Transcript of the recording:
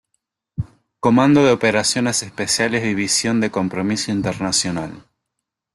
Comando de Operaciones Especiales División de compromiso internacional.